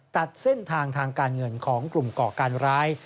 ตัดเส้นทางทางการเงินของกลุ่มก่อการร้าย